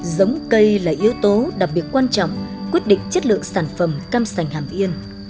giống cây là yếu tố đặc biệt quan trọng quyết định chất lượng sản phẩm cam sành hàm yên